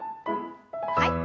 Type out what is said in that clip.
はい。